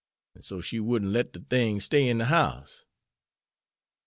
An' so she wouldn't let de things stay in de house."